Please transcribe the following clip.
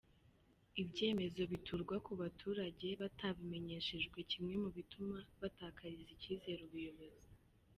Ibyemezo biturwa ku baturage batabimenyeshejwe kimwe mu bituma batakariza icyizere ubuyobozi.